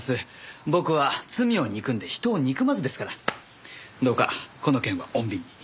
僕は罪を憎んで人を憎まずですからどうかこの件は穏便に。